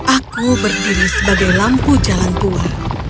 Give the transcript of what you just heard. aku berdiri sebagai lampu jalan tua